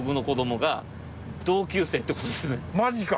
マジか！